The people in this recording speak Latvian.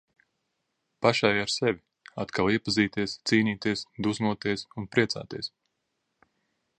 Pašai ar sevi - atkal iepazīties, cīnīties, dusmoties un priecāties.